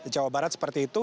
jawa barat seperti itu